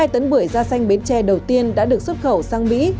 hai tấn bưởi da xanh bến tre đầu tiên đã được xuất khẩu sang mỹ